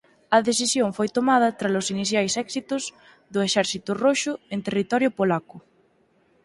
A decisión foi tomada tralos iniciais éxitos do Exército Roxo en territorio polaco.